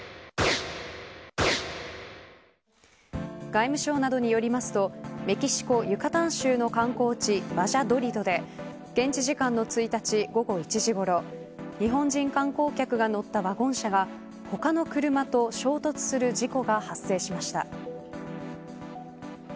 外務省などによりますとメキシコ・ユカタン州の観光地バジャドリドで現地時間の１日、午後１時ごろ日本人観光客が乗ったワゴン車が他の車と衝突する事故が発生しました。